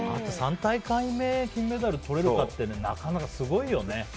３大会目、金メダルとれるかってなかなか、すごいよね。